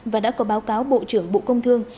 và đã có báo cáo bộ trưởng bộ công thương